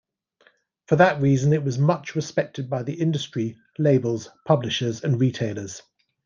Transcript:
For that reason it was much respected by the industry, labels, publishers and retailers.